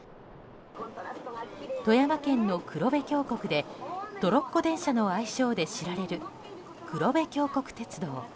富山県の黒部峡谷でトロッコ電車の愛称で知られる黒部峡谷鉄道。